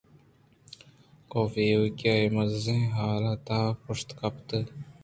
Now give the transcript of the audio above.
کاف ایوک ءَ اے مزنیں ہالءِ تہا پشت کپت